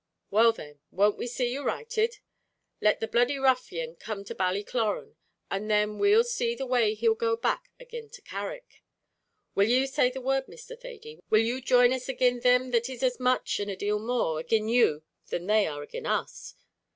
"Well then, won't we see you righted? Let the bloody ruffian come to Ballycloran, an' then see the way he'll go back again to Carrick. Will you say the word, Mr. Thady? Will you join us agin thim that is as much, an' a deal more, agin you than they are agin us?"